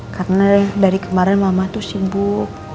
karena dari kemarin mama tuh sibuk